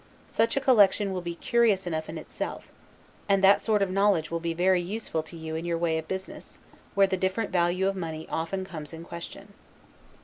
Such a collection will be curious enough in itself; and that sort of knowledge will be very useful to you in your way of business, where the different value of money often comes in question.